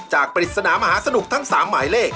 ปริศนามหาสนุกทั้ง๓หมายเลข